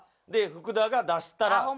で福田が出したら。